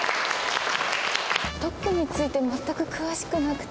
特許について全く詳しくなくて。